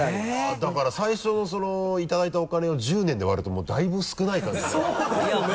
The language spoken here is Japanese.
だから最初いただいたお金を１０年で割るともうだいぶ少ない感じになるもんね。